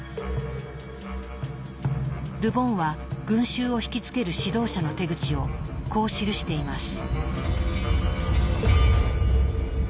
ル・ボンは群衆を惹きつける指導者の手口をこう記しています。